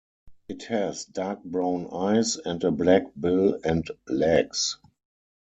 It has dark brown eyes and a black bill and legs.